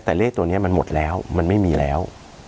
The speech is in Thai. แต่เลขตัวนี้มันหมดแล้วมันไม่มีแล้ว